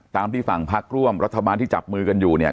ตามที่ฝั่งพักร่วมรัฐบาลที่จับมือกันอยู่เนี่ย